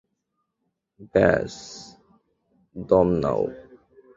ব্যস দম নাও।